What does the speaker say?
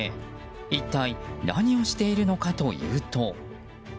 一体何をしているのかというと。